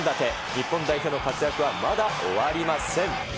日本代表の活躍はまだ終わりません。